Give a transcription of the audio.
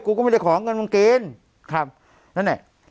ก็ไม่ได้ขอเงินมึงกินครับนั่นแหละ